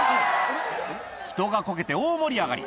人がこけて大盛り上がり。